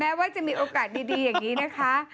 ว่าจะมีโอกาสดีอย่างนี้นะคะ